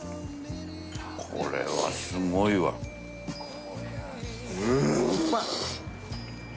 これはすごいわうまい！